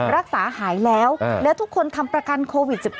รักษาหายแล้วแล้วทุกคนทำประกันโควิด๑๙